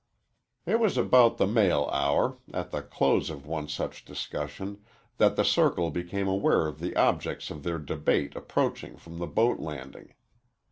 It was about the mail hour, at the close of one such discussion, that the circle became aware of the objects of their debate approaching from the boat landing.